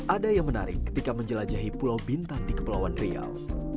ada yang menarik ketika menjelajahi pulau bintan di kepulauan riau